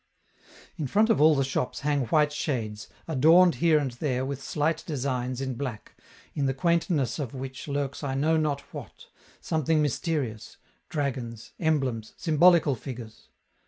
In front of all the shops hang white shades, adorned here and there with slight designs in black, in the quaintness of which lurks I know not what something mysterious: dragons, emblems, symbolical figures.